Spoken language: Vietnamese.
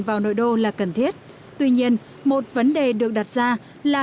vào nội đô là cần thiết tuy nhiên một vấn đề được đặt ra là